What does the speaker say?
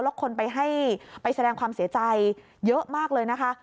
แล้วคนไปให้ไปแสดงความเสียใจเยอะมากเลยนะคะ